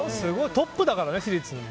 トップだからね、私立の。